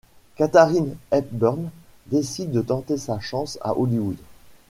Katharine Hepburn décide de tenter sa chance à Hollywood.